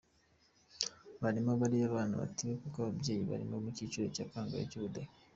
Barimo bariya bana batiga kuko ababyeyi bari mu cyiciro cya kangahe cy’ubudehe;